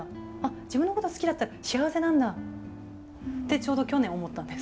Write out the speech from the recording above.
自分のこと好きだったら幸せなんだ！ってちょうど去年思ったんです。